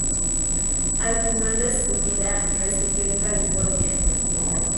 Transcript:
Al final de su vida residió en California.